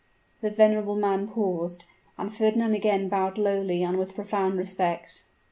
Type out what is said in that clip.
The venerable man paused, and Fernand again bowed lowly and with profound respect.